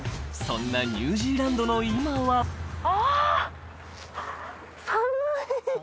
そんなニュージーランドの今はあっ！